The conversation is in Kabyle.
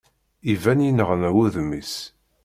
Iban yenneɣna wudem-is.